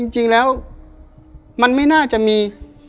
จริงแล้วมันไม่น่าจะมี